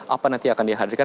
apa nanti akan dihadirkan